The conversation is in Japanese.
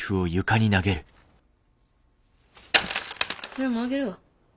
これもあげるわ。